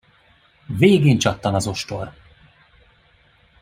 Végén csattan az ostor.